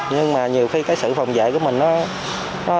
nhưng nhiều khi sự phòng vệ của mình